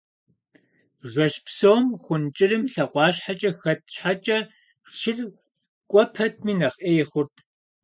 Жэщ псом хъун кӏырым лъакъуащхьэкӏэ хэт щхьэкӏэ, шыр кӏуэ пэтми нэхъ ӏей хъурт.